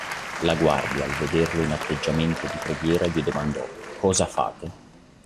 La guardia al vederlo in atteggiamento di preghiera gli domandò:"Cosa fate?".